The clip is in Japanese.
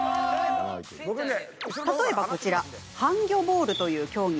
例えば、こちらハンぎょボールという競技。